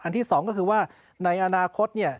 ที่๒ก็คือว่าในอนาคต